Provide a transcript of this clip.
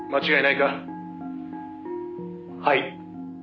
「はい」